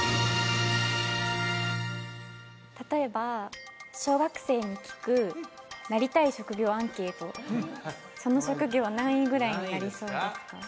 例えば小学生に聞くなりたい職業アンケートその職業は何位ぐらいになりそうですか？